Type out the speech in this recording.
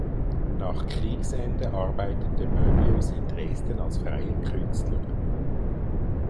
Nach Kriegsende arbeitete Möbius in Dresden als freier Künstler.